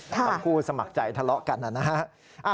ทั้งคู่สมัครใจทะเลาะกันนะฮะ